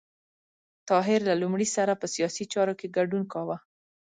طاهر له لومړي سره په سیاسي چارو کې ګډون کاوه.